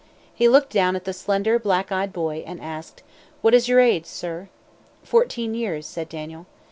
He looked down at the slender, black eyed boy and asked: "What is your age, sir?" "Fourteen years," said Daniel.